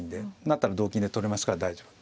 成ったら同金で取れますから大丈夫。